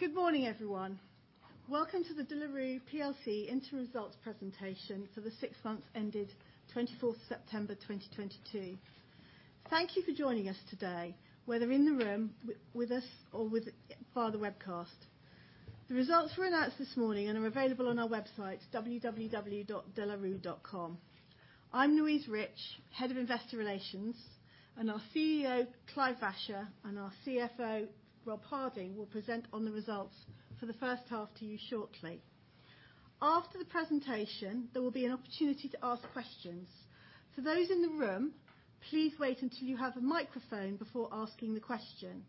Good morning, everyone. Welcome to the De La Rue plc interim results presentation for the six months ended 24 September 2022. Thank you for joining us today, whether in the room with us or via the webcast. The results were announced this morning and are available on our website, www.delarue.com. I'm Louise Rich, Head of Investor Relations, and our CEO, Clive Vacher, and our CFO, Rob Harding, will present on the results for the first half to you shortly. After the presentation, there will be an opportunity to ask questions. For those in the room, please wait until you have a microphone before asking the question.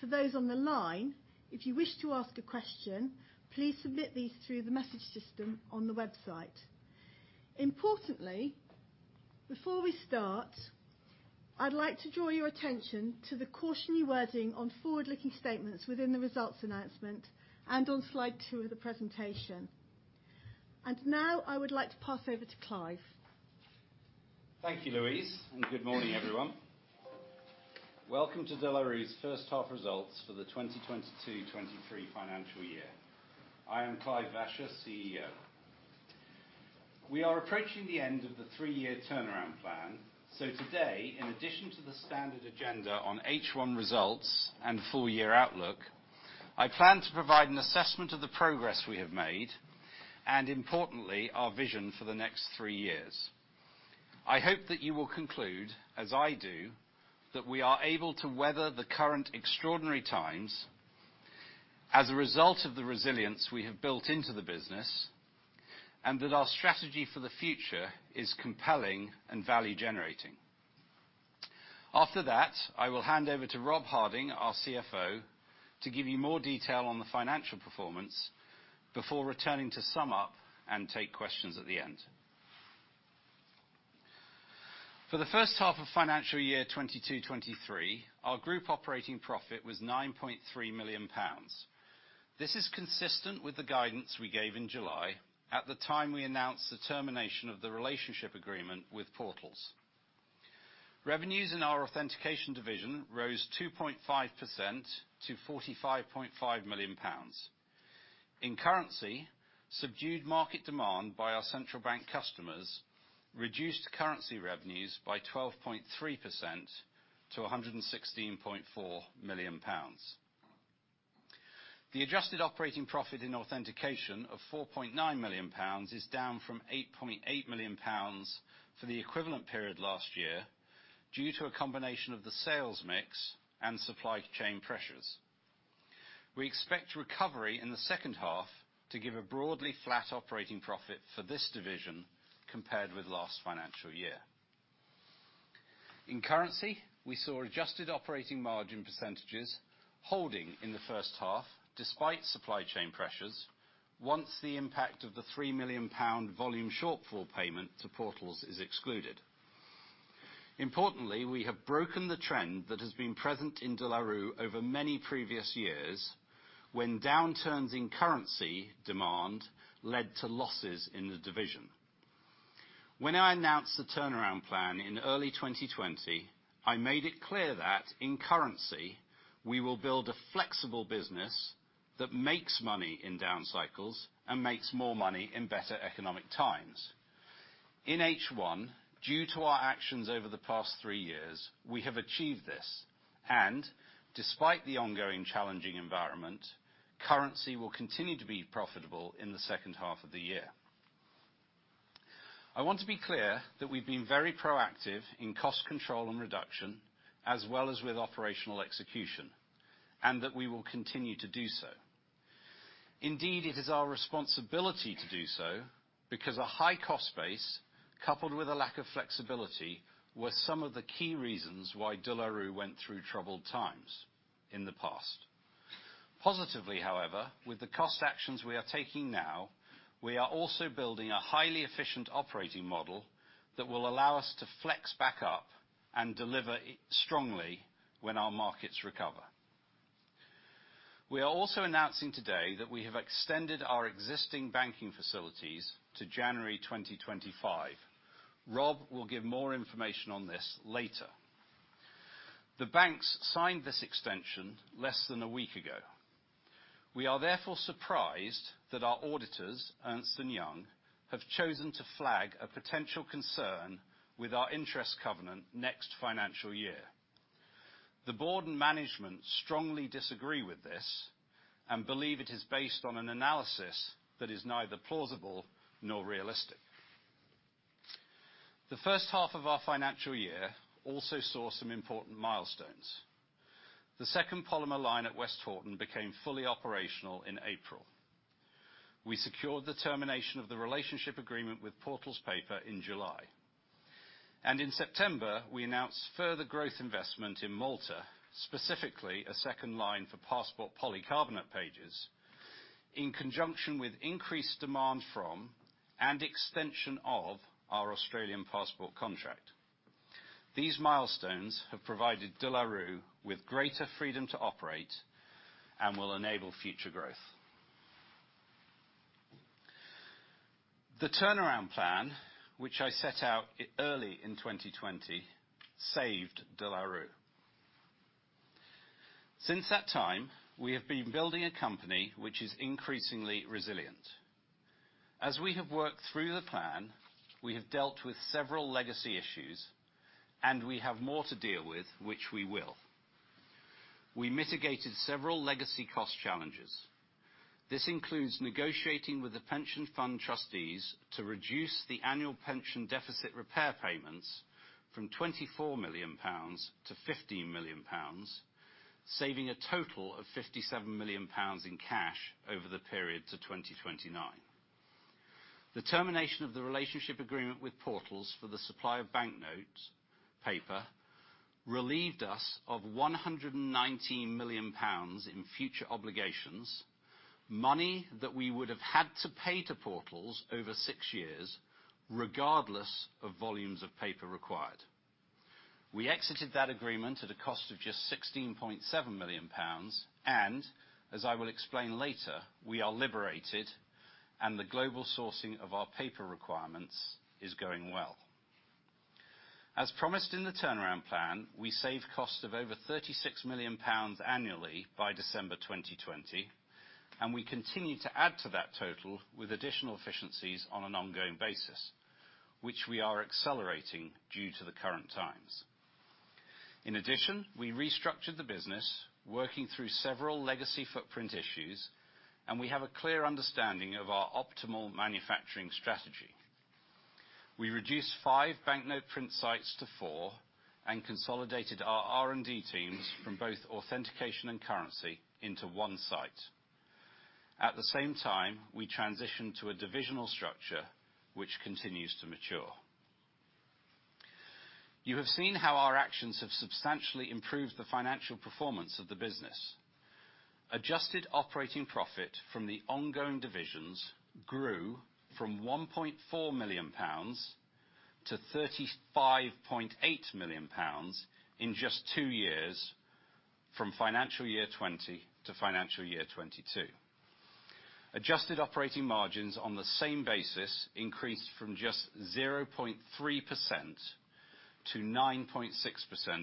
For those on the line, if you wish to ask a question, please submit these through the message system on the website. Importantly, before we start, I'd like to draw your attention to the cautionary wording on forward-looking statements within the results announcement and on slide 2 of the presentation. Now, I would like to pass over to Clive. Thank you, Louise, and good morning, everyone. Welcome to De La Rue's first half results for the 2022-2023 financial year. I am Clive Vacher, CEO. We are approaching the end of the three-year turnaround plan, so today, in addition to the standard agenda on H1 results and full year outlook, I plan to provide an assessment of the progress we have made and importantly, our vision for the next three years. I hope that you will conclude, as I do, that we are able to weather the current extraordinary times as a result of the resilience we have built into the business, and that our strategy for the future is compelling and value generating. After that, I will hand over to Rob Harding, our CFO, to give you more detail on the financial performance before returning to sum up and take questions at the end. For the first half of financial year 2022, 2023, our group operating profit was 9.3 million pounds. This is consistent with the guidance we gave in July at the time we announced the termination of the relationship agreement with Portals. Revenues in our Authentication division rose 2.5% to 45.5 million pounds. In Currency, subdued market demand by our central bank customers reduced currency revenues by 12.3% to 116.4 million pounds. The adjusted operating profit in Authentication of 4.9 million pounds is down from 8.8 million pounds for the equivalent period last year due to a combination of the sales mix and supply chain pressures. We expect recovery in the second half to give a broadly flat operating profit for this division compared with last financial year. In currency, we saw adjusted operating margin percentages holding in the first half despite supply chain pressures once the impact of the 3 million pound volume shortfall payment to Portals is excluded. Importantly, we have broken the trend that has been present in De La Rue over many previous years when downturns in currency demand led to losses in the division. When I announced the turnaround plan in early 2020, I made it clear that in currency, we will build a flexible business that makes money in down cycles and makes more money in better economic times. In H1, due to our actions over the past three years, we have achieved this, and despite the ongoing challenging environment, currency will continue to be profitable in the second half of the year. I want to be clear that we've been very proactive in cost control and reduction, as well as with operational execution, that we will continue to do so. Indeed, it is our responsibility to do so because a high-cost base coupled with a lack of flexibility were some of the key reasons why De La Rue went through troubled times in the past. Positively, however, with the cost actions we are taking now, we are also building a highly efficient operating model that will allow us to flex back up and deliver it strongly when our markets recover. We are also announcing today that we have extended our existing banking facilities to January 2025. Rob will give more information on this later. The banks signed this extension less than a week ago. We are therefore surprised that our auditors, Ernst & Young, have chosen to flag a potential concern with our interest covenant next financial year. The board and management strongly disagree with this and believe it is based on an analysis that is neither plausible nor realistic. The first half of our financial year also saw some important milestones. The second polymer line at Westhoughton became fully operational in April. We secured the termination of the relationship agreement with Portals Paper in July. In September, we announced further growth investment in Malta, specifically a second line for passport polycarbonate pages, in conjunction with increased demand from and extension of our Australian passport contract. These milestones have provided De La Rue with greater freedom to operate and will enable future growth. The turnaround plan, which I set out early in 2020, saved De La Rue. Since that time, we have been building a company which is increasingly resilient. As we have worked through the plan, we have dealt with several legacy issues, and we have more to deal with, which we will. We mitigated several legacy cost challenges. This includes negotiating with the pension fund trustees to reduce the annual pension deficit repair payments from 24 million pounds to 15 million pounds, saving a total of 57 million pounds in cash over the period to 2029. The termination of the relationship agreement with Portals for the supply of banknote paper relieved us of 119 million pounds in future obligations, money that we would have had to pay to Portals over six years regardless of volumes of paper required. We exited that agreement at a cost of just 16.7 million pounds, and as I will explain later, we are liberated, and the global sourcing of our paper requirements is going well. As promised in the turnaround plan, we saved cost of over GBP 36 million annually by December 2020, and we continue to add to that total with additional efficiencies on an ongoing basis, which we are accelerating due to the current times. In addition, we restructured the business, working through several legacy footprint issues, and we have a clear understanding of our optimal manufacturing strategy. We reduced five banknote print sites to four and consolidated our R&D teams from both authentication and currency into one site. At the same time, we transitioned to a divisional structure which continues to mature. You have seen how our actions have substantially improved the financial performance of the business. Adjusted operating profit from the ongoing divisions grew from 1.4 million pounds to 35.8 million pounds in just two years from financial year 2020 to financial year 2022. Adjusted operating margins on the same basis increased from just 0.3% to 9.6%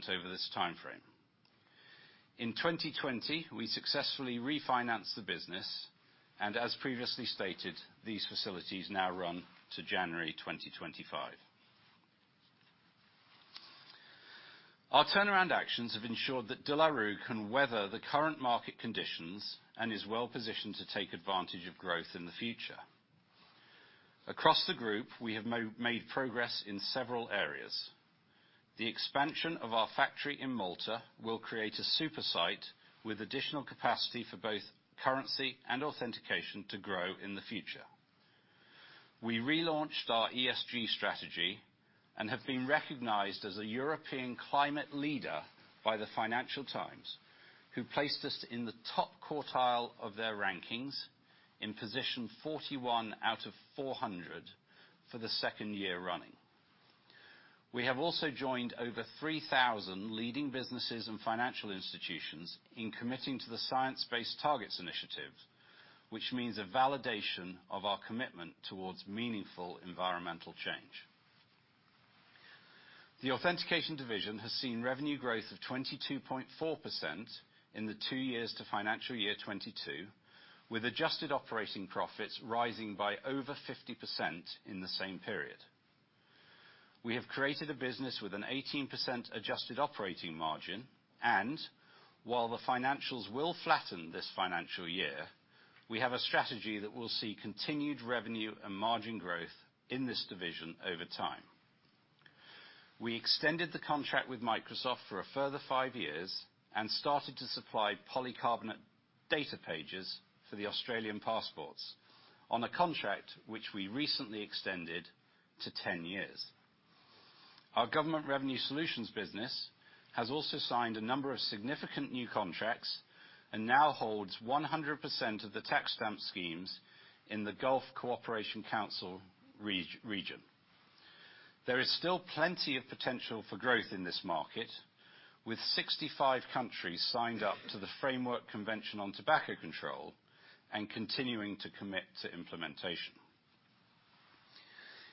over this timeframe. In 2020, we successfully refinanced the business. As previously stated, these facilities now run to January 2025. Our turnaround actions have ensured that De La Rue can weather the current market conditions and is well-positioned to take advantage of growth in the future. Across the group, we have made progress in several areas. The expansion of our factory in Malta will create a super site with additional capacity for both currency and authentication to grow in the future. We relaunched our ESG strategy and have been recognized as a European climate leader by the Financial Times, who placed us in the top quartile of their rankings in position 41 out of 400 for the second year running. We have also joined over 3,000 leading businesses and financial institutions in committing to the Science Based Targets initiative, which means a validation of our commitment towards meaningful environmental change. The Authentication division has seen revenue growth of 22.4% in the two years to financial year 2022, with adjusted operating profits rising by over 50% in the same period. We have created a business with an 18% adjusted operating margin, and while the financials will flatten this financial year, we have a strategy that will see continued revenue and margin growth in this division over time. We extended the contract with Microsoft for a further five years and started to supply polycarbonate data pages for the Australian passport on a contract which we recently extended to 10 years. Our Government Revenue Solutions business has also signed a number of significant new contracts and now holds 100% of the tax stamp schemes in the Gulf Cooperation Council region. There is still plenty of potential for growth in this market, with 65 countries signed up to the Framework Convention on Tobacco Control and continuing to commit to implementation.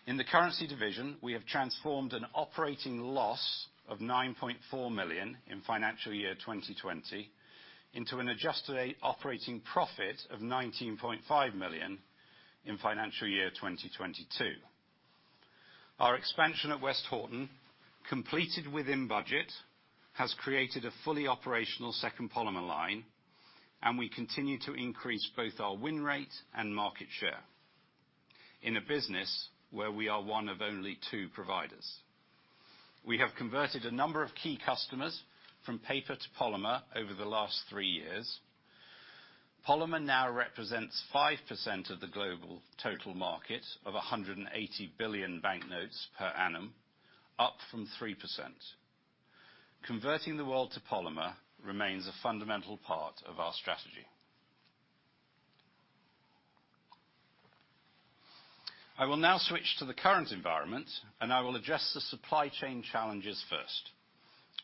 In the currency division, we have transformed an operating loss of 9.4 million in financial year 2020 into an adjusted operating profit of 19.5 million in financial year 2022. Our expansion at Westhoughton, completed within budget, has created a fully operational second polymer line. We continue to increase both our win rate and market share in a business where we are one of only two providers. We have converted a number of key customers from paper to polymer over the last three years. Polymer now represents 5% of the global total market of 180 billion banknotes per annum, up from 3%. Converting the world to polymer remains a fundamental part of our strategy. I will now switch to the current environment. I will address the supply chain challenges first.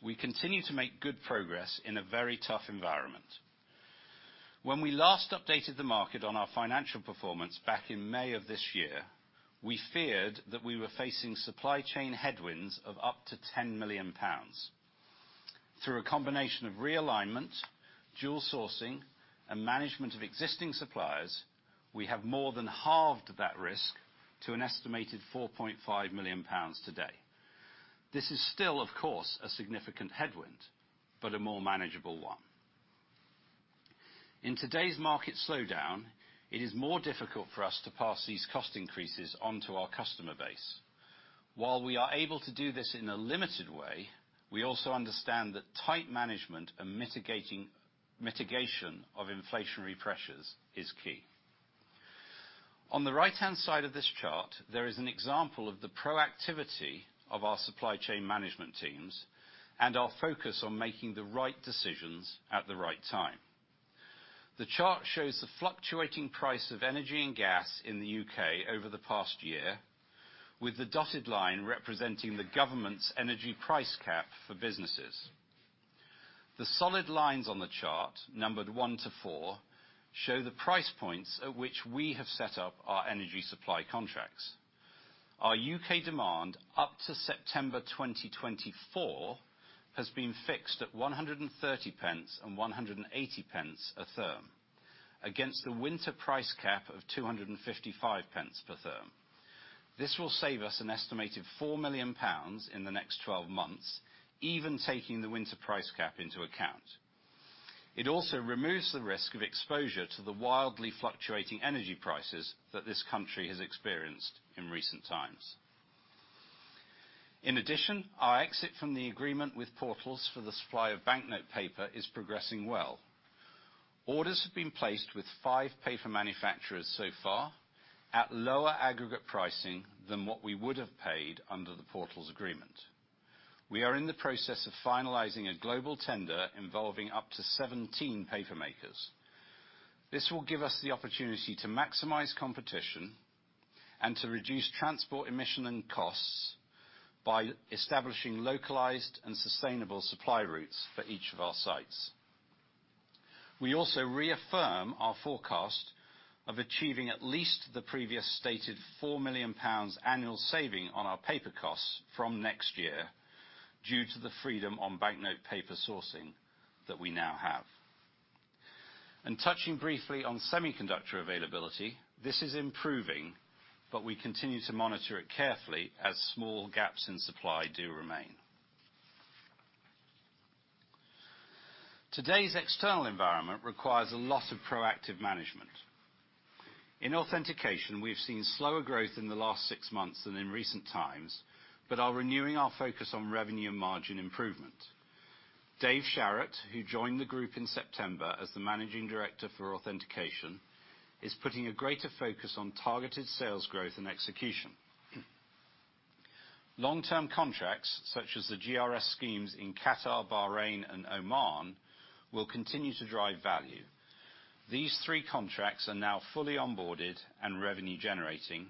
We continue to make good progress in a very tough environment. When we last updated the market on our financial performance back in May of this year, we feared that we were facing supply chain headwinds of up to 10 million pounds. Through a combination of realignment, dual sourcing, and management of existing suppliers, we have more than halved that risk to an estimated 4.5 million pounds today. This is still, of course, a significant headwind, but a more manageable one. In today's market slowdown, it is more difficult for us to pass these cost increases on to our customer base. While we are able to do this in a limited way, we also understand that tight management and mitigation of inflationary pressures is key. On the right-hand side of this chart, there is an example of the proactivity of our supply chain management teams and our focus on making the right decisions at the right time. The chart shows the fluctuating price of energy and gas in the U.K. over the past year, with the dotted line representing the government's energy price cap for businesses. The solid lines on the chart, numbered one to four, show the price points at which we have set up our energy supply contracts. Our U.K. demand up to September 2024 has been fixed at 130 pence and 180 pence a therm against the winter price cap of 255 pence per therm. This will save us an estimated 4 million pounds in the next 12 months, even taking the winter price cap into account. It also removes the risk of exposure to the wildly fluctuating energy prices that this country has experienced in recent times. In addition, our exit from the agreement with Portals for the supply of banknote paper is progressing well. Orders have been placed with 5 paper manufacturers so far at lower aggregate pricing than what we would have paid under the Portals agreement. We are in the process of finalizing a global tender involving up to 17 paper makers. This will give us the opportunity to maximize competition and to reduce transport emission and costs by establishing localized and sustainable supply routes for each of our sites. We also reaffirm our forecast of achieving at least the previous stated 4 million pounds annual saving on our paper costs from next year due to the freedom on banknote paper sourcing that we now have. Touching briefly on semiconductor availability, this is improving, but we continue to monitor it carefully as small gaps in supply do remain. Today's external environment requires a lot of proactive management. In authentication, we've seen slower growth in the last 6 months than in recent times, but are renewing our focus on revenue margin improvement. Dave Sharratt, who joined the group in September as the Managing Director for Authentication, is putting a greater focus on targeted sales growth and execution. Long-term contracts such as the GRS schemes in Qatar, Bahrain, and Oman will continue to drive value. These three contracts are now fully onboarded and revenue generating,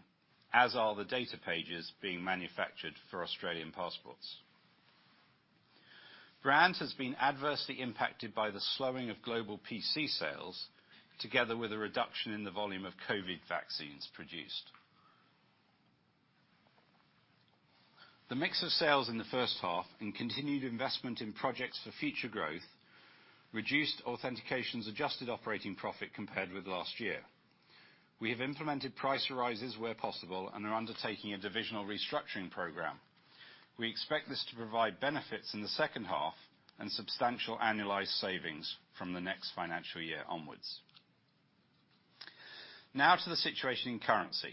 as are the data pages being manufactured for Australian passports. Brand has been adversely impacted by the slowing of global PC sales together with a reduction in the volume of COVID vaccines produced. The mix of sales in the first half and continued investment in projects for future growth reduced Authentication's adjusted operating profit compared with last year. We have implemented price rises where possible and are undertaking a divisional restructuring program. We expect this to provide benefits in the second half and substantial annualized savings from the next financial year onwards. To the situation in currency.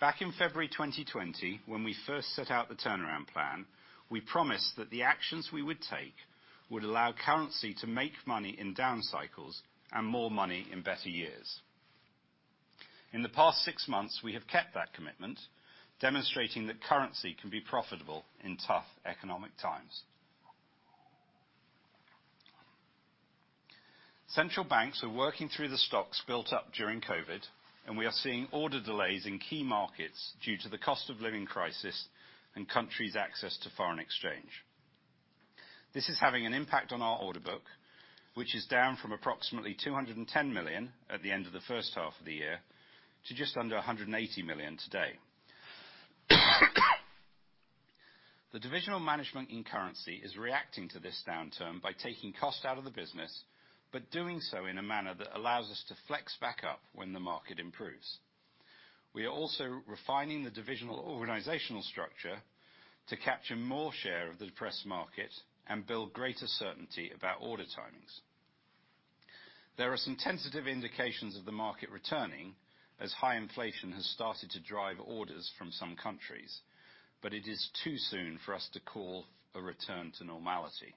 Back in February 2020, when we first set out the turnaround plan, we promised that the actions we would take would allow currency to make money in down cycles and more money in better years. In the past six months, we have kept that commitment, demonstrating that currency can be profitable in tough economic times. Central banks are working through the stocks built up during COVID, and we are seeing order delays in key markets due to the cost of living crisis and countries' access to foreign exchange. This is having an impact on our order book, which is down from approximately 210 million at the end of the first half of the year to just under 180 million today. The divisional management in currency is reacting to this downturn by taking cost out of the business, but doing so in a manner that allows us to flex back up when the market improves. We are also refining the divisional organizational structure to capture more share of the depressed market and build greater certainty about order timings. There are some tentative indications of the market returning as high inflation has started to drive orders from some countries, but it is too soon for us to call a return to normality.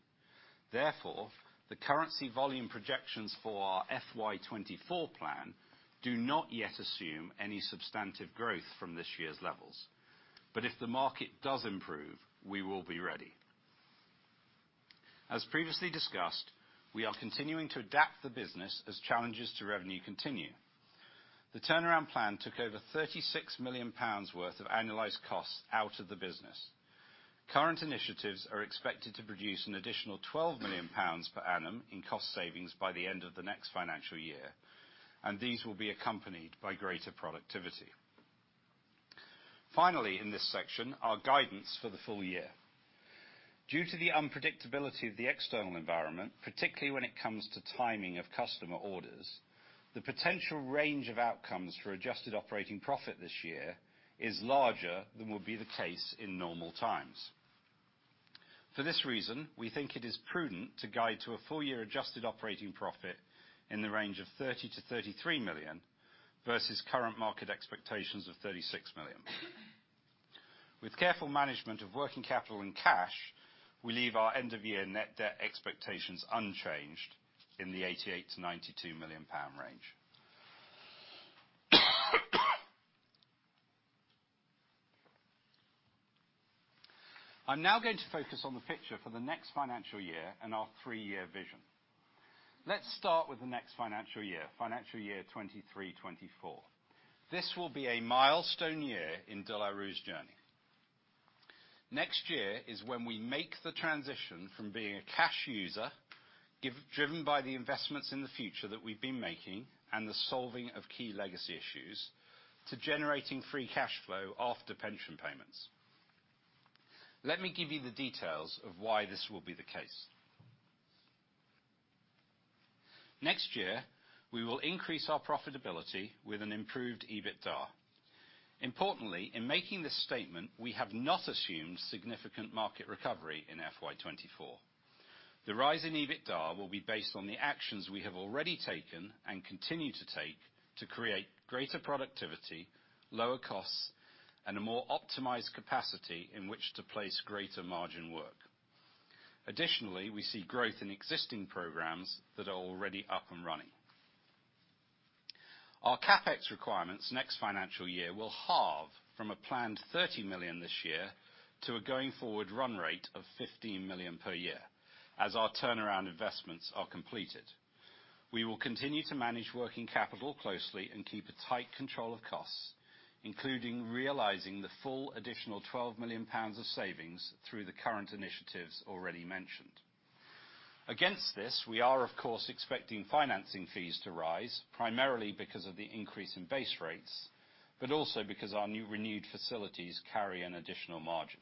The currency volume projections for our FY 2024 plan do not yet assume any substantive growth from this year's levels. If the market does improve, we will be ready. As previously discussed, we are continuing to adapt the business as challenges to revenue continue. The turnaround plan took over 36 million pounds worth of analyzed costs out of the business. Current initiatives are expected to produce an additional GBP 12 million per annum in cost savings by the end of the next financial year. These will be accompanied by greater productivity. Finally, in this section, our guidance for the full year. Due to the unpredictability of the external environment, particularly when it comes to timing of customer orders, the potential range of outcomes for adjusted operating profit this year is larger than would be the case in normal times. For this reason, we think it is prudent to guide to a full year adjusted operating profit in the range of 30 million-33 million, versus current market expectations of 36 million. With careful management of working capital and cash, we leave our end of year net debt expectations unchanged in the 88 million-92 million pound range. I'm now going to focus on the picture for the next financial year and our three-year vision. Let's start with the next financial year, financial year 2023, 2024. This will be a milestone year in De La Rue's journey. Next year is when we make the transition from being a cash user driven by the investments in the future that we've been making and the solving of key legacy issues to generating free cash flow after pension payments. Let me give you the details of why this will be the case. Next year, we will increase our profitability with an improved EBITDA. Importantly, in making this statement, we have not assumed significant market recovery in FY 2024. The rise in EBITDA will be based on the actions we have already taken and continue to take to create greater productivity, lower costs, and a more optimized capacity in which to place greater margin work. Additionally, we see growth in existing programs that are already up and running. Our CapEx requirements next financial year will halve from a planned 30 million this year to a going forward run rate of 15 million per year as our turnaround investments are completed. We will continue to manage working capital closely and keep a tight control of costs, including realizing the full additional 12 million pounds of savings through the current initiatives already mentioned. Against this, we are of course expecting financing fees to rise primarily because of the increase in base rates, but also because our new renewed facilities carry an additional margin.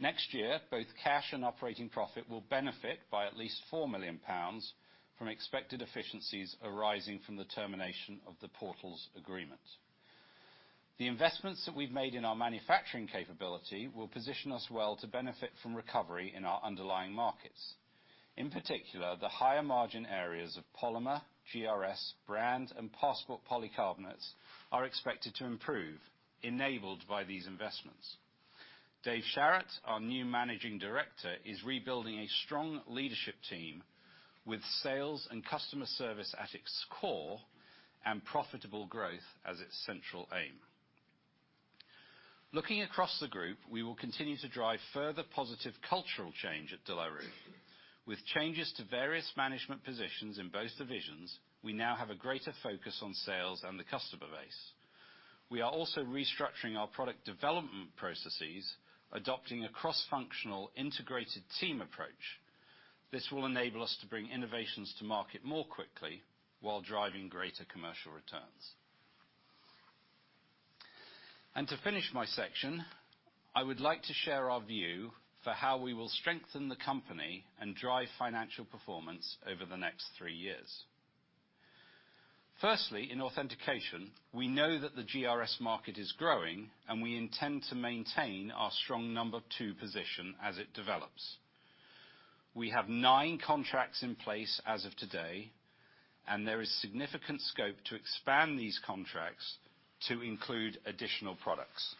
Next year, both cash and operating profit will benefit by at least 4 million pounds from expected efficiencies arising from the termination of the Portals agreement. The investments that we've made in our manufacturing capability will position us well to benefit from recovery in our underlying markets. In particular, the higher margin areas of polymer, GRS, brand, and passport polycarbonates are expected to improve enabled by these investments. Dave Sharratt, our new Managing Director, is rebuilding a strong leadership team with sales and customer service at its core and profitable growth as its central aim. Looking across the group, we will continue to drive further positive cultural change at De La Rue. With changes to various management positions in both divisions, we now have a greater focus on sales and the customer base. We are also restructuring our product development processes, adopting a cross-functional integrated team approach. This will enable us to bring innovations to market more quickly while driving greater commercial returns. To finish my section, I would like to share our view for how we will strengthen the company and drive financial performance over the next three years. Firstly, in authentication, we know that the GRS market is growing, and we intend to maintain our strong number two position as it develops. We have nine contracts in place as of today, and there is significant scope to expand these contracts to include additional products.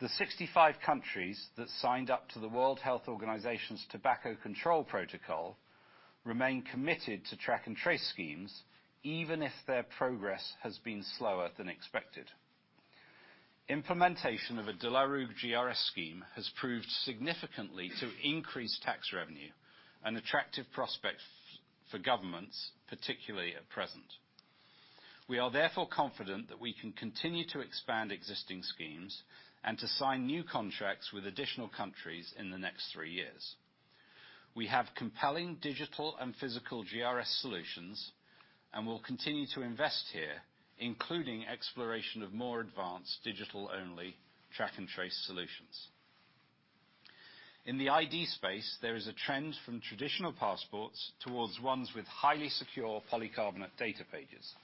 The 65 countries that signed up to the World Health Organization's tobacco control protocol remain committed to track and trace schemes, even if their progress has been slower than expected. Implementation of a De La Rue GRS scheme has proved significantly to increase tax revenue, an attractive prospect for governments, particularly at present. We are therefore confident that we can continue to expand existing schemes and to sign new contracts with additional countries in the next three years. We have compelling digital and physical GRS solutions and will continue to invest here, including exploration of more advanced digital-only track and trace solutions. In the ID space, there is a trend from traditional passports towards ones with highly secure polycarbonate data pages.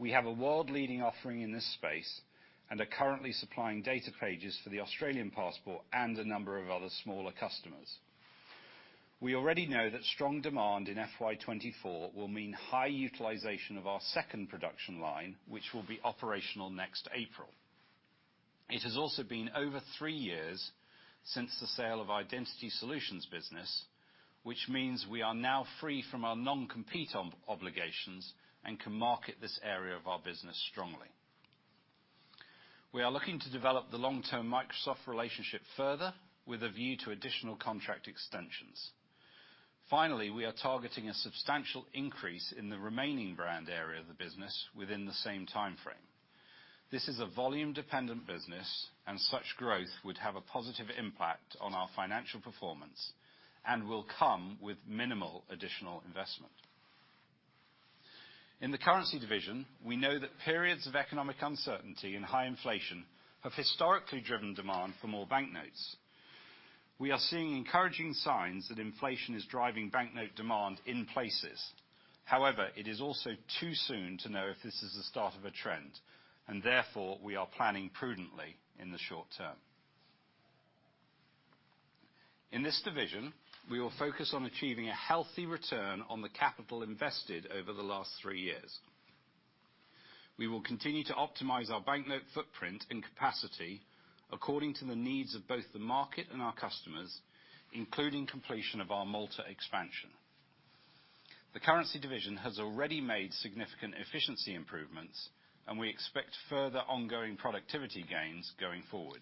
We have a world-leading offering in this space and are currently supplying data pages for the Australian passport and a number of other smaller customers. We already know that strong demand in FY 2024 will mean high utilization of our second production line, which will be operational next April. It has also been over three years since the sale of Identity Solutions business, which means we are now free from our non-compete obligations and can market this area of our business strongly. We are looking to develop the long-term Microsoft relationship further with a view to additional contract extensions. We are targeting a substantial increase in the remaining brand area of the business within the same timeframe. This is a volume-dependent business. Such growth would have a positive impact on our financial performance and will come with minimal additional investment. In the currency division, we know that periods of economic uncertainty and high inflation have historically driven demand for more banknotes. We are seeing encouraging signs that inflation is driving banknote demand in places. However, it is also too soon to know if this is the start of a trend, and therefore we are planning prudently in the short term. In this division, we will focus on achieving a healthy return on the capital invested over the last three years. We will continue to optimize our banknote footprint and capacity according to the needs of both the market and our customers, including completion of our Malta expansion. The currency division has already made significant efficiency improvements, and we expect further ongoing productivity gains going forward.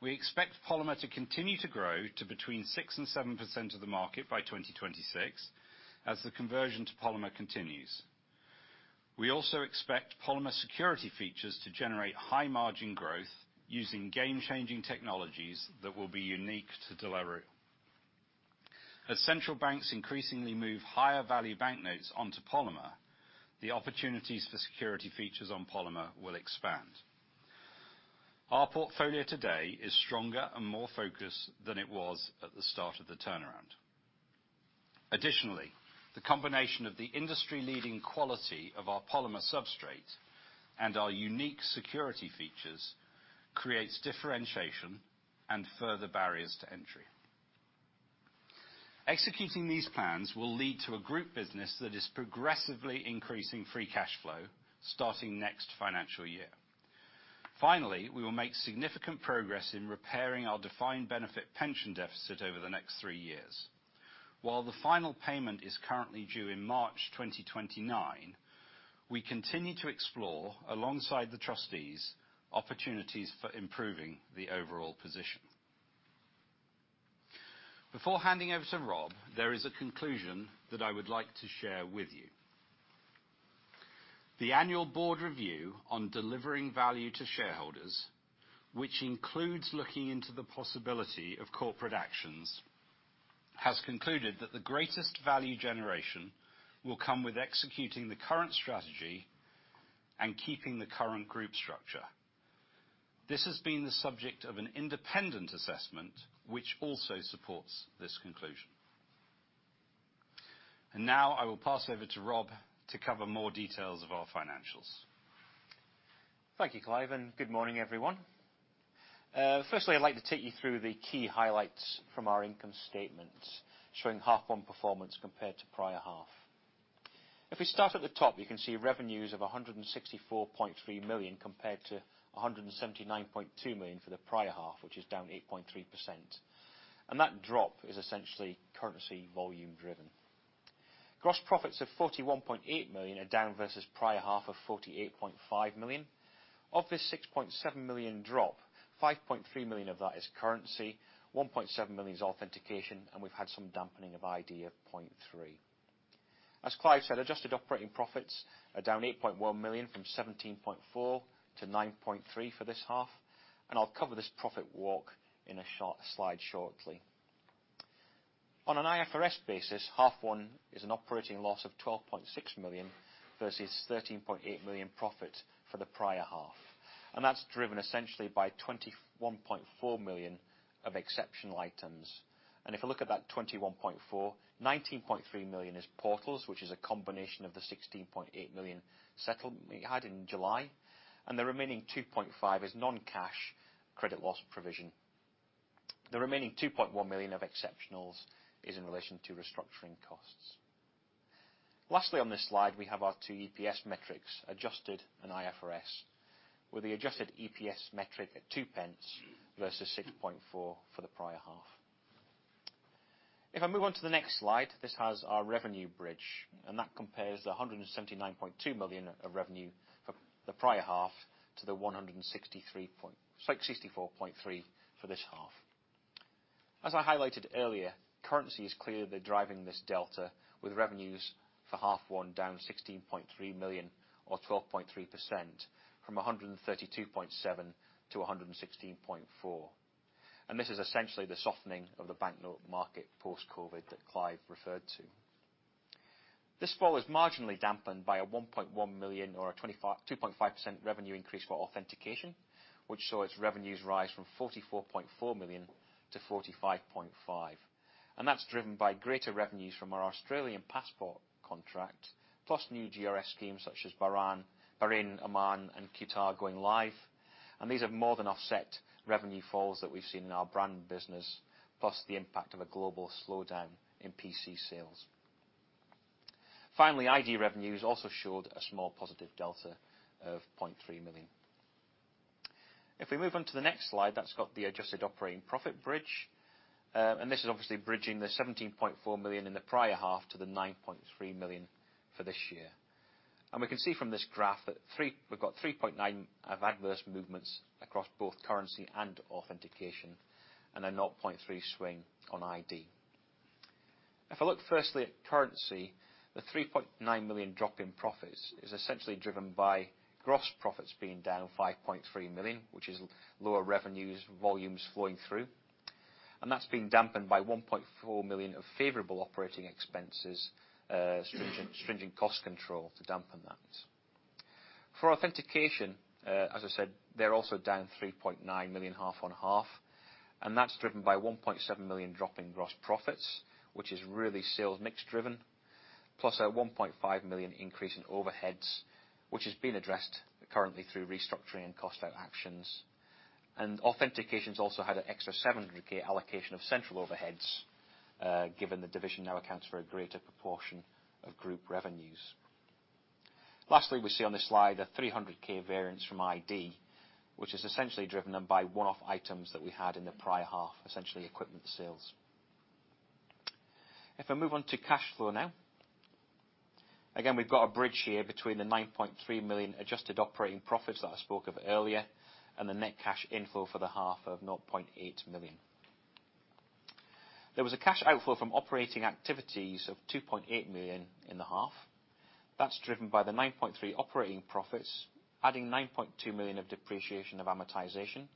We expect polymer to continue to grow to between 6% and 7% of the market by 2026 as the conversion to polymer continues. We also expect polymer security features to generate high margin growth using game-changing technologies that will be unique to De La Rue. Central banks increasingly move higher value banknotes onto polymer, the opportunities for security features on polymer will expand. Our portfolio today is stronger and more focused than it was at the start of the turnaround. The combination of the industry-leading quality of our polymer substrate and our unique security features creates differentiation and further barriers to entry. Executing these plans will lead to a group business that is progressively increasing free cash flow starting next financial year. We will make significant progress in repairing our defined benefit pension deficit over the next three years. While the final payment is currently due in March 2029, we continue to explore, alongside the trustees, opportunities for improving the overall position. Before handing over to Rob, there is a conclusion that I would like to share with you. The annual board review on delivering value to shareholders, which includes looking into the possibility of corporate actions, has concluded that the greatest value generation will come with executing the current strategy and keeping the current group structure. This has been the subject of an independent assessment, which also supports this conclusion. Now I will pass over to Rob to cover more details of our financials. Thank you, Clive, and good morning, everyone. Firstly, I'd like to take you through the key highlights from our income statement, showing H1 performance compared to prior half. If we start at the top, you can see revenues of 164.3 million compared to 179.2 million for the prior half, which is down 8.3%. That drop is essentially currency volume driven. Gross profits of 41.8 million are down versus prior half of 48.5 million. Of this 6.7 million drop, 5.3 million of that is currency, 1.7 million is authentication, and we've had some dampening of ID of 0.3 million. As Clive said, adjusted operating profits are down 8.1 million from 17.4 million to 9.3 million for this half. I'll cover this profit walk in a short slide shortly. On an IFRS basis, H1 is an operating loss of 12.6 million versus 13.8 million profit for the prior half. That's driven essentially by 21.4 million of exceptional items. If you look at that 21.4 million, 19.3 million is Portals, which is a combination of the 16.8 million settlement we had in July, and the remaining 2.5 million is non-cash credit loss provision. The remaining 2.1 million of exceptionals is in relation to restructuring costs. Lastly, on this slide, we have our two EPS metrics, adjusted and IFRS, with the adjusted EPS metric at 0.02 versus 0.064 for the prior half. If I move on to the next slide, this has our revenue bridge. That compares the 179.2 million of revenue for the prior half to the 164.3 million for this half. As I highlighted earlier, currency is clearly driving this delta with revenues for H1 down 16.3 million or 12.3% from 132.7 million to 116.4 million. This is essentially the softening of the banknote market post-COVID that Clive referred to. This fall is marginally dampened by a 1.1 million or a 2.5% revenue increase for authentication, which saw its revenues rise from 44.4 million to 45.5. That's driven by greater revenues from our Australian passport contract, plus new GRS schemes such as Bahrain, Oman and Qatar going live. These have more than offset revenue falls that we've seen in our brand business, plus the impact of a global slowdown in PC sales. Finally, ID revenues also showed a small positive delta of 0.3 million. If we move on to the next slide, that's got the adjusted operating profit bridge. This is obviously bridging the 17.4 million in the prior half to the 9.3 million for this year. We can see from this graph that. We've got 3.9 million of adverse movements across both Currency and Authentication, and a 0.3 million swing on ID. If I look firstly at Currency, the 3.9 million drop in profits is essentially driven by gross profits being down 5.3 million, which is lower revenues, volumes flowing through. That's been dampened by 1.4 million of favorable operating expenses, stringent cost control to dampen that. For Authentication, as I said, they're also down 3.9 million half-on-half. That's driven by 1.7 million drop in gross profits, which is really sales mix driven, plus a 1.5 million increase in overheads, which is being addressed currently through restructuring and cost out actions. Authentication's also had an extra 700,000 allocation of central overheads, given the division now accounts for a greater proportion of group revenues. Lastly, we see on this slide a 300,000 variance from ID, which is essentially driven by one-off items that we had in the prior half, essentially equipment sales. I move on to cash flow now. We've got a bridge here between the 9.3 million adjusted operating profits that I spoke of earlier, and the net cash inflow for the half of 0.8 million. There was a cash outflow from operating activities of 2.8 million in the half. That's driven by the 9.3 operating profits, adding 9.2 million of depreciation and amortisation,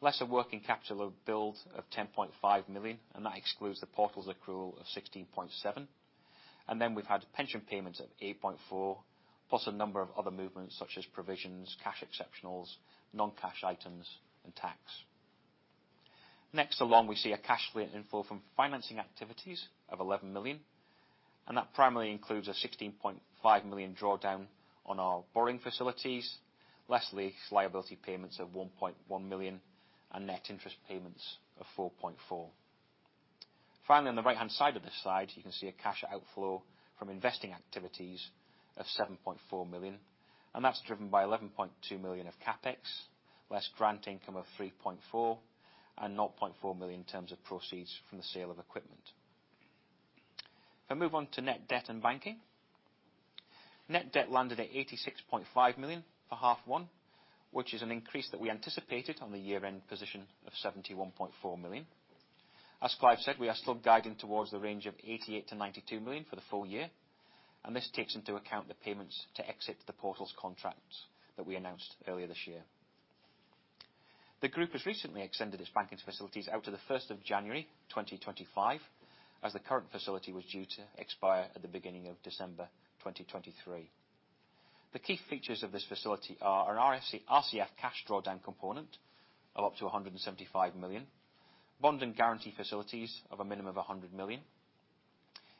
less a working capital of build of 10.5 million. That excludes the Portals accrual of 16.7. We've had pension payments of 8.4, plus a number of other movements such as provisions, cash exceptionals, non-cash items, and tax. Next along, we see a cash inflow from financing activities of 11 million. That primarily includes a 16.5 million drawdown on our borrowing facilities, less lease liability payments of 1.1 million, and net interest payments of 4.4. Finally, on the right-hand side of this slide, you can see a cash outflow from investing activities of 7.4 million. That's driven by 11.2 million of CapEx, less grant income of 3.4 million, and 0.4 million in terms of proceeds from the sale of equipment. If I move on to net debt and banking. Net debt landed at 86.5 million for H1, which is an increase that we anticipated on the year-end position of 71.4 million. As Clive said, we are still guiding towards the range of 88 million-92 million for the full year. This takes into account the payments to exit the Portals contracts that we announced earlier this year. The group has recently extended its banking facilities out to the 1 of January 2025, as the current facility was due to expire at the beginning of December 2023. The key features of this facility are an RCF cash drawdown component of up to 175 million, bond and guarantee facilities of a minimum of 100 million.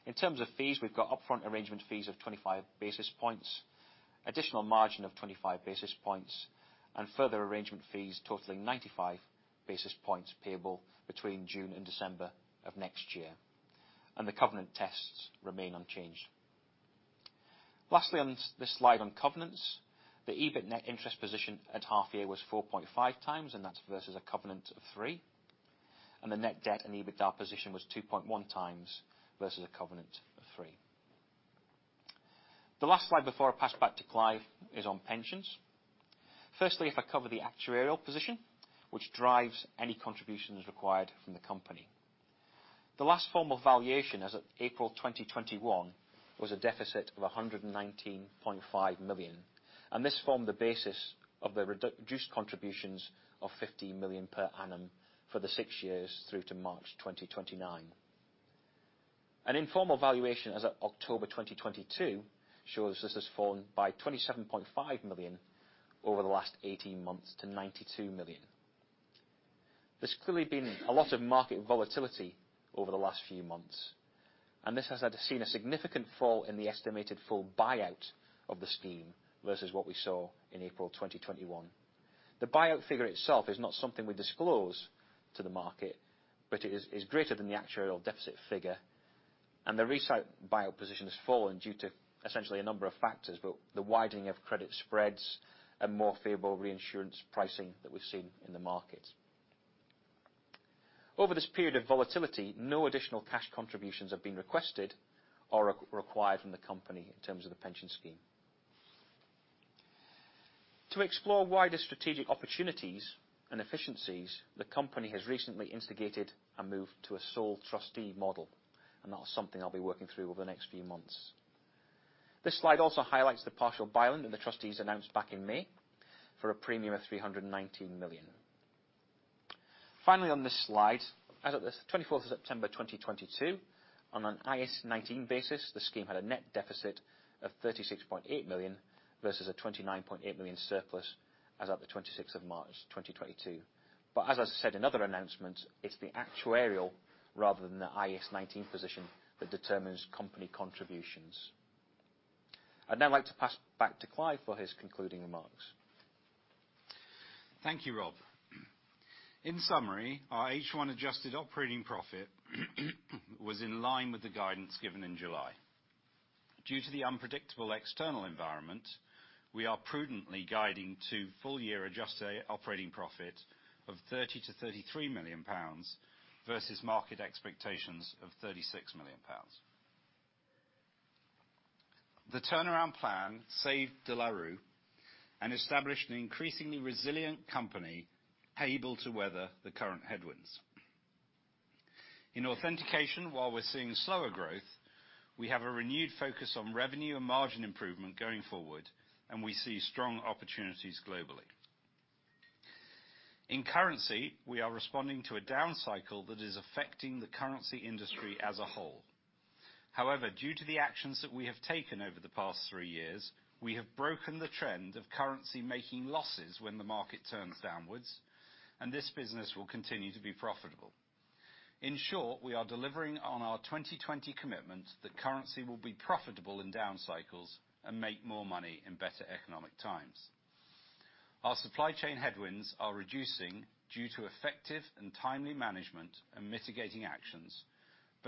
In terms of fees, we've got upfront arrangement fees of 25 basis points, additional margin of 25 basis points, and further arrangement fees totaling 95 basis points payable between June and December of next year. The covenant tests remain unchanged. Lastly, on this slide on covenants, the EBIT net interest position at half year was 4.5 times, and that's versus a covenant of 3, and the net debt and EBITDA position was 2.1 times versus a covenant of 3. The last slide before I pass back to Clive is on pensions. Firstly, if I cover the actuarial position, which drives any contributions required from the company. The last formal valuation, as of April 2021, was a deficit of 119.5 million. This formed the basis of the reduced contributions of 50 million per annum for the six years through to March 2029. An informal valuation as of October 2022 shows this has fallen by 27.5 million over the last 18 months to 92 million. There's clearly been a lot of market volatility over the last few months. This has seen a significant fall in the estimated full buyout of the scheme versus what we saw in April 2021. The buyout figure itself is not something we disclose to the market. It is greater than the actuarial deficit figure. The resort buyout position has fallen due to essentially a number of factors, but the widening of credit spreads and more favorable reinsurance pricing that we've seen in the market. Over this period of volatility, no additional cash contributions have been requested or required from the company in terms of the pension scheme. To explore wider strategic opportunities and efficiencies, the company has recently instigated a move to a sole trustee model, and that's something I'll be working through over the next few months. This slide also highlights the partial buy-in that the trustees announced back in May for a premium of 319 million. Finally, on this slide, as of the 24 of September 2022, on an IAS 19 basis, the scheme had a net deficit of 36.8 million versus a 29.8 million surplus as of the 26 of March 2022. As I said in other announcements, it's the actuarial rather than the IAS 19 position that determines company contributions. I'd now like to pass back to Clive for his concluding remarks. Thank you, Rob. In summary, our H1 adjusted operating profit was in line with the guidance given in July. Due to the unpredictable external environment, we are prudently guiding to full-year adjusted operating profit of 30 million-33 million pounds versus market expectations of 36 million pounds. The turnaround plan saved De La Rue and established an increasingly resilient company able to weather the current headwinds. In Authentication, while we're seeing slower growth, we have a renewed focus on revenue and margin improvement going forward, we see strong opportunities globally. In currency, we are responding to a down cycle that is affecting the currency industry as a whole. Due to the actions that we have taken over the past three years, we have broken the trend of currency making losses when the market turns downwards, this business will continue to be profitable. In short, we are delivering on our 2020 commitment that currency will be profitable in down cycles and make more money in better economic times. Our supply chain headwinds are reducing due to effective and timely management and mitigating actions,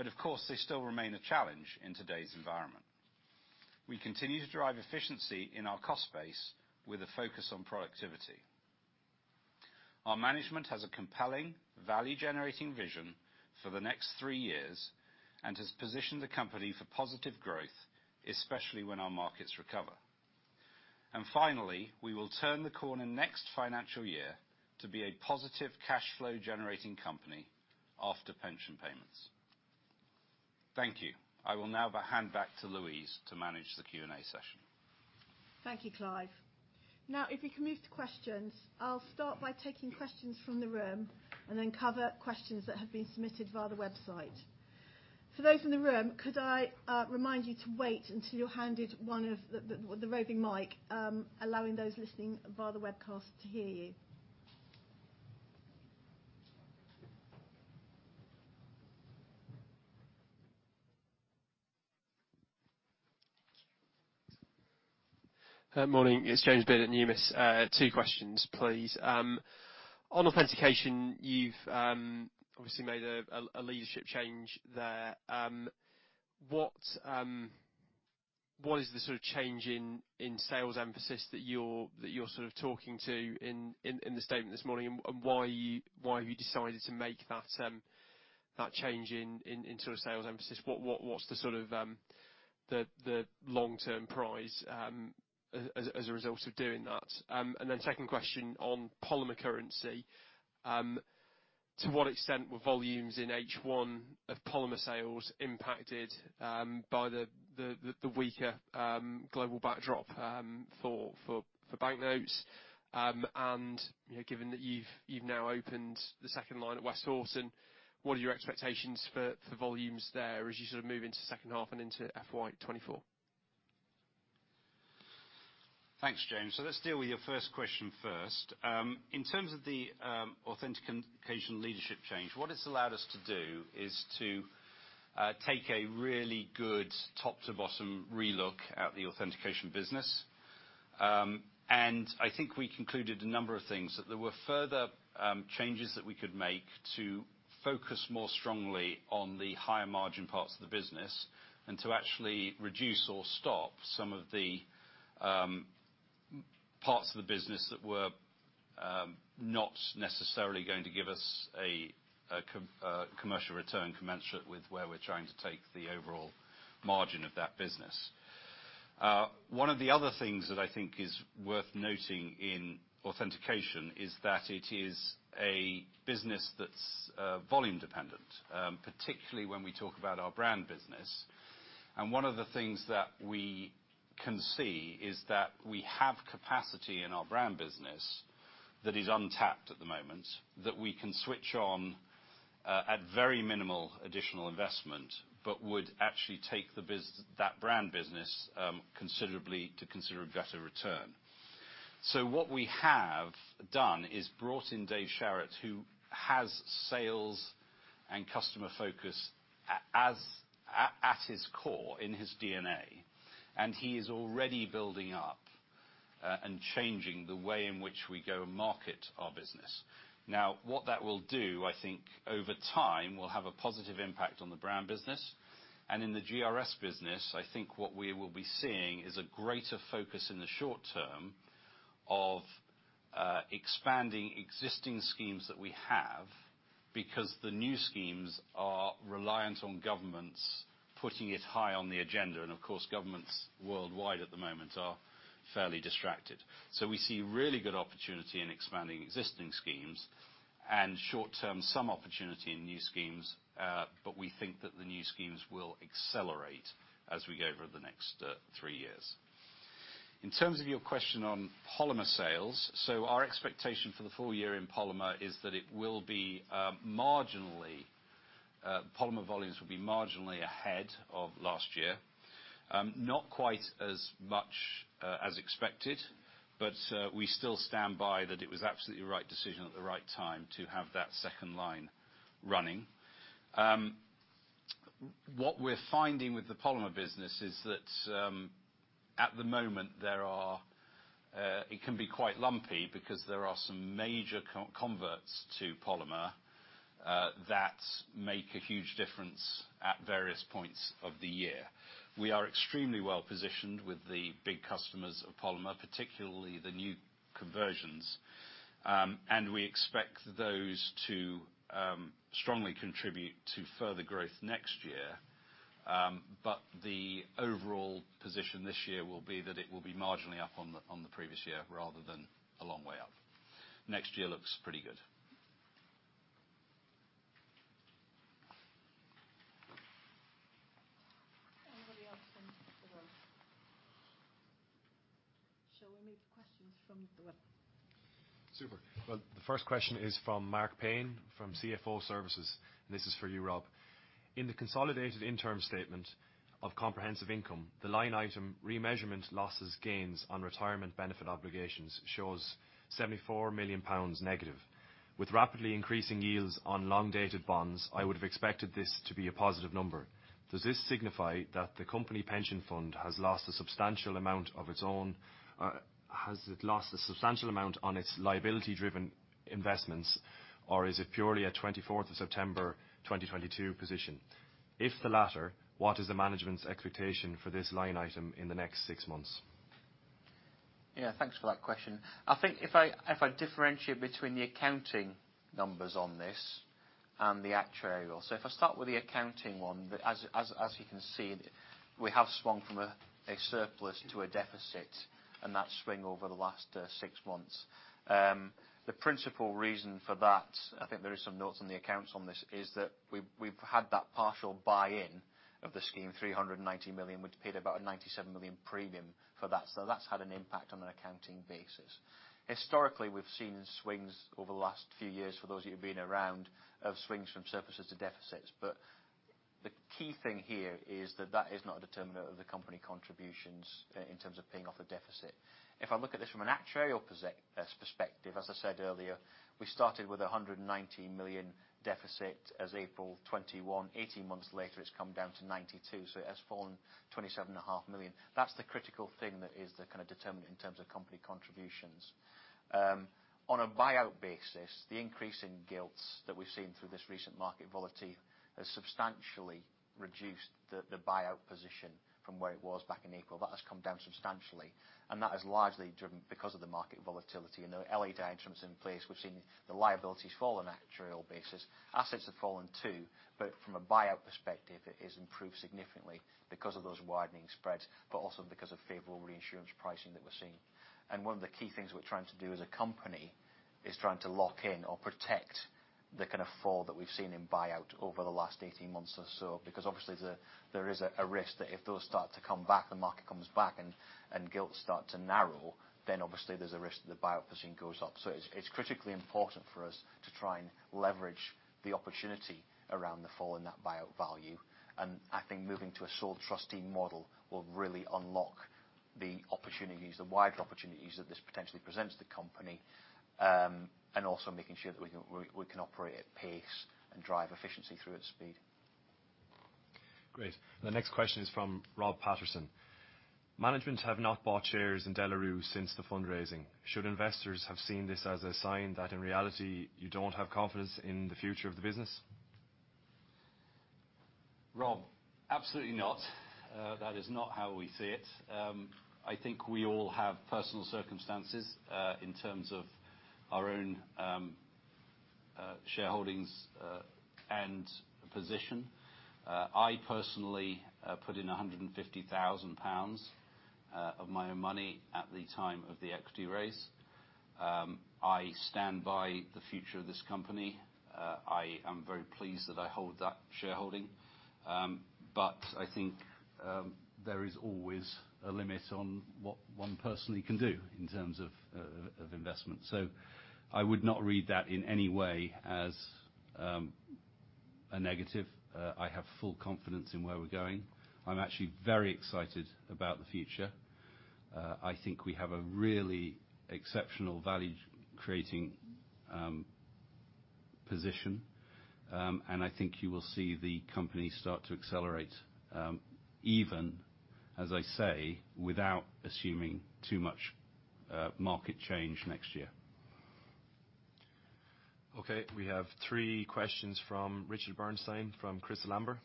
of course, they still remain a challenge in today's environment. We continue to drive efficiency in our cost base with a focus on productivity. Our management has a compelling value-generating vision for the next three years and has positioned the company for positive growth, especially when our markets recover. Finally, we will turn the corner next financial year to be a positive cash flow-generating company after pension payments. Thank you. I will now hand back to Louise to manage the Q&A session. Thank you, Clive. If we can move to questions. I'll start by taking questions from the room and then cover questions that have been submitted via the website. For those in the room, could I remind you to wait until you're handed one of the roving mic, allowing those listening via the webcast to hear you. Thank you. Morning. It's James Davies at Numis. Two questions, please. On authentication, you've obviously made a leadership change there. What is the sort of change in sales emphasis that you're sort of talking to in the statement this morning? Why have you decided to make that change in sort of sales emphasis? What's the sort of the long-term prize as a result of doing that? Second question on polymer currency, to what extent were volumes in H1 of polymer sales impacted by the weaker global backdrop for banknotes? You know, given that you've now opened the second line at Westhoughton, what are your expectations for volumes there as you sort of move into second half and into FY 2024? Thanks, James. Let's deal with your first question first. In terms of the Authentication leadership change, what it's allowed us to do is to take a really good top-to-bottom relook at the Authentication business. I think we concluded a number of things, that there were further changes that we could make to focus more strongly on the higher margin parts of the business and to actually reduce or stop some of the parts of the business that were not necessarily going to give us a commercial return commensurate with where we're trying to take the overall margin of that business. One of the other things that I think is worth noting in Authentication is that it is a business that's volume dependent, particularly when we talk about our brand business. One of the things that we can see is that we have capacity in our brand business that is untapped at the moment, that we can switch on at very minimal additional investment, but would actually take that brand business considerably to consider a better return. What we have done is brought in Dave Sharratt, who has sales and customer focus at his core in his DNA, and he is already building up and changing the way in which we go market our business. What that will do, I think, over time, will have a positive impact on the brand business, and in the GRS business, I think what we will be seeing is a greater focus in the short term of expanding existing schemes that we have because the new schemes are reliant on governments putting it high on the agenda, and of course, governments worldwide at the moment are fairly distracted. We see really good opportunity in expanding existing schemes and short term, some opportunity in new schemes, but we think that the new schemes will accelerate as we go over the next three years. In terms of your question on polymer sales, our expectation for the full year in polymer is that it will be marginally, polymer volumes will be marginally ahead of last year. Not quite as much as expected, we still stand by that it was absolutely the right decision at the right time to have that second line running. What we're finding with the polymer business is that at the moment there are it can be quite lumpy because there are some major co-converts to polymer that make a huge difference at various points of the year. We are extremely well-positioned with the big customers of polymer, particularly the new conversions. We expect those to strongly contribute to further growth next year. The overall position this year will be that it will be marginally up on the previous year rather than a long way up. Next year looks pretty good. Anybody else from the room? Shall we move questions from the web? Super. Well, the first question is from Mark Payne, from CFO Services. This is for you, Rob. In the consolidated interim statement of comprehensive income, the line item remeasurement losses, gains on retirement benefit obligations shows 74 million pounds negative. With rapidly increasing yields on long-dated bonds, I would have expected this to be a positive number. Does this signify that the company pension fund has lost a substantial amount of its own? Or has it lost a substantial amount on its liability-driven investments? Or is it purely a 24 of September 2022 position? If the latter, what is the management's expectation for this line item in the next six months? Yeah, thanks for that question. I think if I differentiate between the accounting numbers on this and the actuarial. If I start with the accounting one, as you can see, we have swung from a surplus to a deficit, and that swing over the last six months. The principal reason for that, I think there is some notes on the accounts on this, is that we've had that partial buy-in of the scheme, 390 million, which paid about a 97 million premium for that. That's had an impact on an accounting basis. Historically, we've seen swings over the last few years, for those of you who've been around, of swings from surpluses to deficits. The key thing here is that that is not a determinant of the company contributions in terms of paying off the deficit. If I look at this from an actuarial perspective, as I said earlier, we started with a 119 million deficit as April 2021. 18 months later, it's come down to 92 million, so it has fallen 27.5 million. That's the critical thing that is the kind of determinant in terms of company contributions. On a buyout basis, the increase in gilts that we've seen through this recent market volatility has substantially reduced the buyout position from where it was back in April. That has come down substantially, that is largely driven because of the market volatility. The LDI downtime is in place. We've seen the liabilities fall on an actuarial basis. Assets have fallen too, from a buyout perspective, it has improved significantly because of those widening spreads, but also because of favorable reinsurance pricing that we're seeing. One of the key things we're trying to do as a company is trying to lock in or protect the kind of fall that we've seen in buyout over the last 18 months or so. Obviously, there is a risk that if those start to come back, the market comes back and gilts start to narrow, then obviously there's a risk that the buyout position goes up. It's critically important for us to try and leverage the opportunity around the fall in that buyout value. I think moving to a sole trustee model will really unlock the opportunities, the wider opportunities that this potentially presents to the company, and also making sure that we can operate at pace and drive efficiency through at speed. Great. The next question is from Rob Patterson. Management have not bought shares in De La Rue since the fundraising. Should investors have seen this as a sign that in reality, you don't have confidence in the future of the business? Rob, absolutely not. That is not how we see it. I think we all have personal circumstances in terms of our own shareholdings and position. I personally put in 150,000 pounds of my own money at the time of the equity raise. I stand by the future of this company. I am very pleased that I hold that shareholding. I think there is always a limit on what one person can do in terms of investment. I would not read that in any way as a negative. I have full confidence in where we're going. I'm actually very excited about the future. I think we have a really exceptional value-creating position. I think you will see the company start to accelerate, even, as I say, without assuming too much market change next year. We have three questions from Richard Bernstein from Crystal Amber.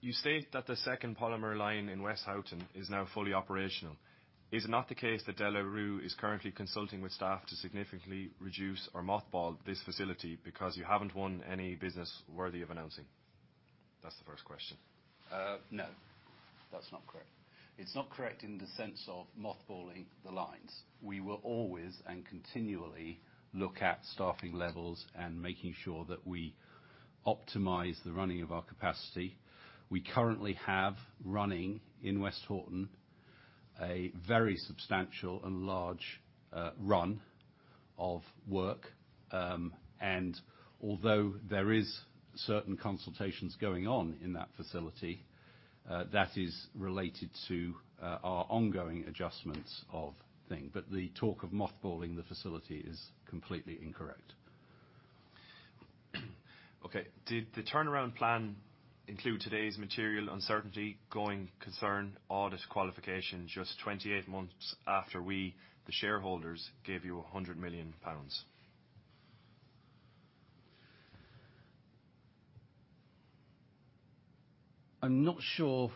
You state that the second polymer line in Westhoughton is now fully operational. Is it not the case that De La Rue is currently consulting with staff to significantly reduce or mothball this facility because you haven't won any business worthy of announcing? That's the first question. No. That's not correct. It's not correct in the sense of mothballing the lines. We will always and continually look at staffing levels and making sure that we optimize the running of our capacity. We currently have running in Westhoughton a very substantial and large run of work. Although there is certain consultations going on in that facility, that is related to our ongoing adjustments of thing. The talk of mothballing the facility is completely incorrect. Okay. Did the turnaround plan include today's material uncertainty going concern audit qualification just 28 months after we, the shareholders, gave you 100 million pounds? I'm not sure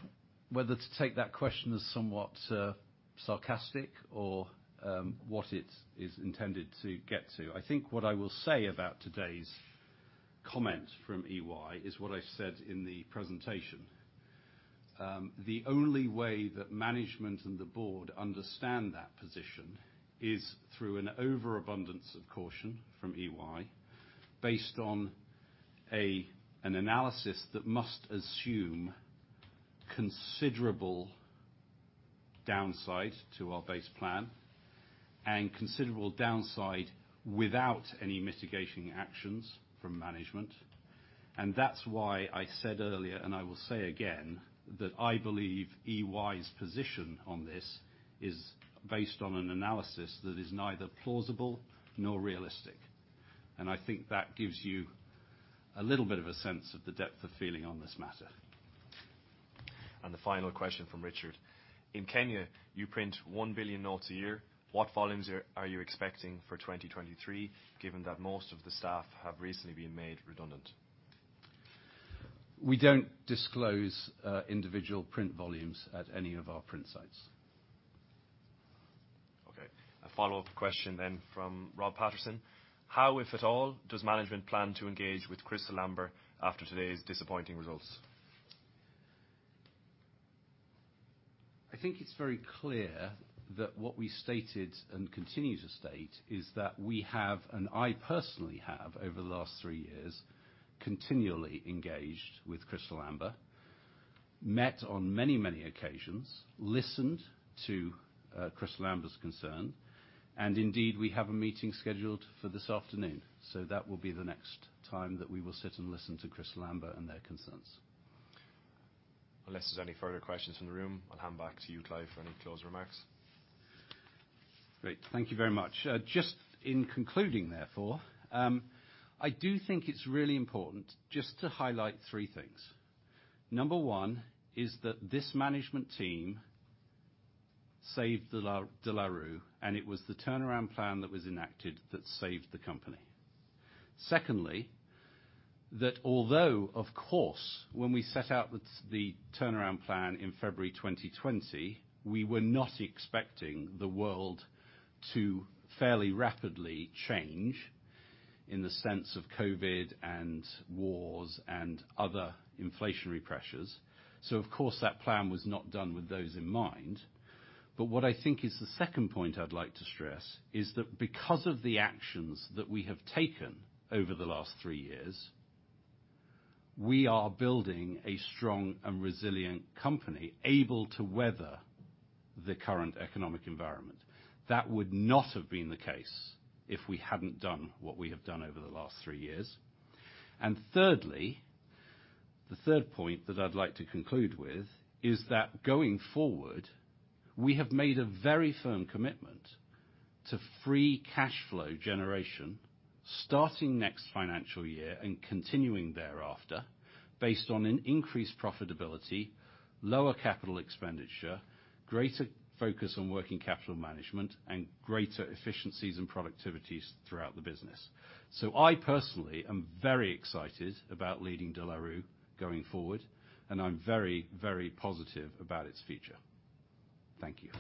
whether to take that question as somewhat sarcastic or what it's intended to get to. I think what I will say about today's comments from EY is what I said in the presentation. The only way that management and the board understand that position is through an overabundance of caution from EY based on an analysis that must assume considerable downside to our base plan and considerable downside without any mitigation actions from management. That's why I said earlier, and I will say again, that I believe EY's position on this is based on an analysis that is neither plausible nor realistic. I think that gives you a little bit of a sense of the depth of feeling on this matter. The final question from Richard. In Kenya, you print 1 billion notes a year. What volumes are you expecting for 2023, given that most of the staff have recently been made redundant? We don't disclose individual print volumes at any of our print sites. Okay. A follow-up question then from Rob Patterson. How, if at all, does management plan to engage with Crystal Amber after today's disappointing results? I think it's very clear that what we stated and continue to state is that we have, and I personally have, over the last three years, continually engaged with Crystal Amber, met on many, many occasions, listened to Crystal Amber's concerns, and indeed, we have a meeting scheduled for this afternoon. That will be the next time that we will sit and listen to Crystal Amber and their concerns. Unless there's any further questions from the room, I'll hand back to you, Clive, for any close remarks. Great. Thank you very much. Just in concluding, therefore, I do think it's really important just to highlight three things. Number one is that this management team saved De La Rue, and it was the turnaround plan that was enacted that saved the company. Secondly, that although, of course, when we set out with the turnaround plan in February 2020, we were not expecting the world to fairly rapidly change in the sense of COVID and wars and other inflationary pressures. Of course, that plan was not done with those in mind. What I think is the second point I'd like to stress is that because of the actions that we have taken over the last three years, we are building a strong and resilient company able to weather the current economic environment. That would not have been the case if we hadn't done what we have done over the last three years. Thirdly, the third point that I'd like to conclude with is that going forward, we have made a very firm commitment to free cash flow generation starting next financial year and continuing thereafter based on an increased profitability, lower capital expenditure, greater focus on working capital management, and greater efficiencies and productivities throughout the business. I personally am very excited about leading De La Rue going forward, and I'm very, very positive about its future. Thank you